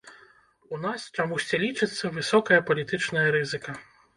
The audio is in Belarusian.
У нас, чамусьці, лічыцца, высокая палітычная рызыка.